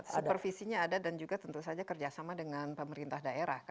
supervisinya ada dan juga tentu saja kerjasama dengan pemerintah daerah